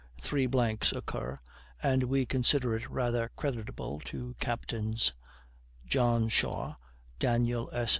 Three blanks occur, and we consider it rather creditable to Captains John Shaw, Daniel S.